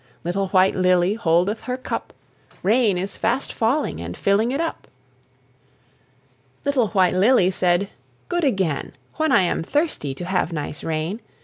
Little White Lily Holdeth her cup; Rain is fast falling And filling it up. Little White Lily Said: "Good again, When I am thirsty To have the nice rain.